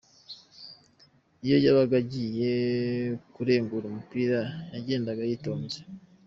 Iyo yabaga agiye kurengura umupira yagendaga yitonze.